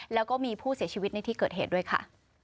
แล้วก็มีผู้เสียชีวิตในที่เกิดเหตุด้วยค่ะ